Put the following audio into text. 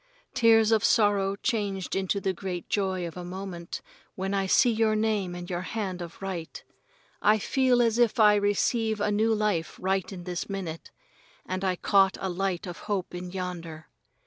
Tears of sorrow changed into the great joy for a moment when I see your name and your hand of write. I feel as if I receive a new life right in this minute, and I caught a light of hope in yonder.